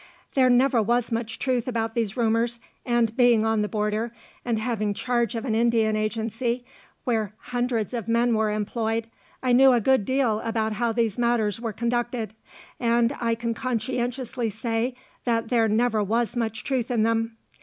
There never was much truth about these rumors, and being on the border, and having charge of an Indian agency, where hundreds of men were employed, I knew a good deal about how these matters were conducted, and I can conscientiously say that there never was much truth in them.